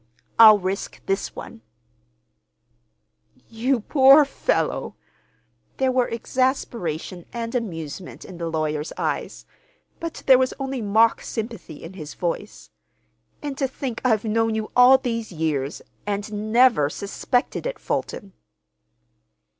"Well, I'll risk this one." "You poor fellow!" There were exasperation and amusement in the lawyer's eyes, but there was only mock sympathy in his voice. "And to think I've known you all these years, and never suspected it, Fulton!"